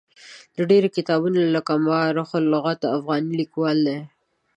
د ډېرو کتابونو لکه ما رخ لغات افغاني لیکوال دی.